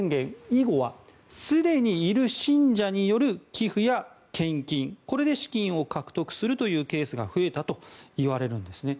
以後はすでにいる信者による寄付や献金で資金を獲得するというケースが増えたといわれるんですね。